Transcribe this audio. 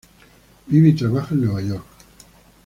Vive y trabaja en Nueva York.